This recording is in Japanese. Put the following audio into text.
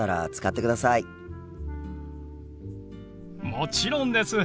もちろんです。